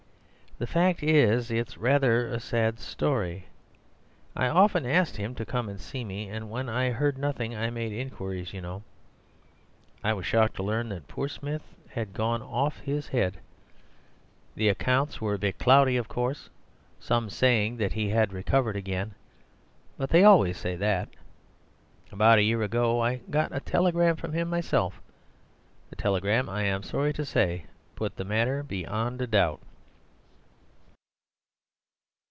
The fact is, it's rather a sad story. I often asked him to come and see me, and when I heard nothing I made inquiries, you know. I was shocked to learn that poor Smith had gone off his head. The accounts were a bit cloudy, of course, some saying that he had recovered again; but they always say that. About a year ago I got a telegram from him myself. The telegram, I'm sorry to say, put the matter beyond a doubt."